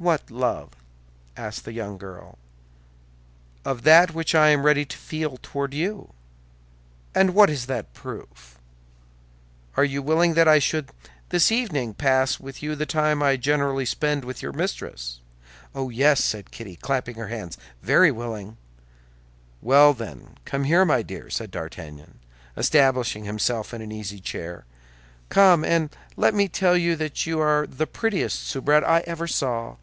"What love?" asked the young girl. "Of that which I am ready to feel toward you." "And what is that proof?" "Are you willing that I should this evening pass with you the time I generally spend with your mistress?" "Oh, yes," said Kitty, clapping her hands, "very willing." "Well, then, come here, my dear," said D'Artagnan, establishing himself in an easy chair; "come, and let me tell you that you are the prettiest soubrette I ever saw!"